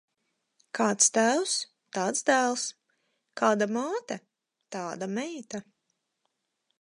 Kāds tēvs, tāds dēls; kāda māte, tāda meita.